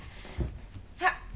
あっ。